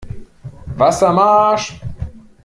Wasser marsch!